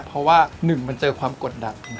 เพราะว่าหนึ่งมันเจอความกดดัน